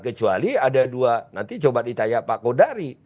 kecuali ada dua nanti coba ditanya pak kodari